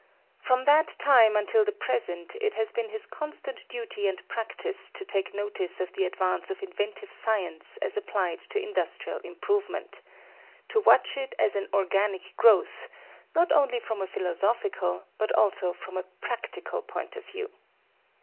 From that time until the present it has been his constant duty and practice to take note of the advance of inventive science as applied to industrial improvement to watch it as an organic growth, not only from a philosophical, but also from a practical, point of view.